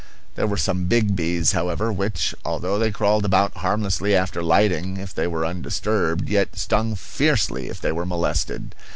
There were some big bees, however, which, although they crawled about harmlessly after lighting if they were undisturbed, yet stung fiercely if they were molested.